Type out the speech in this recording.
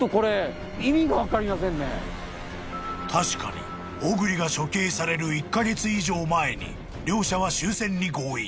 ［確かに小栗が処刑される１カ月以上前に両者は終戦に合意］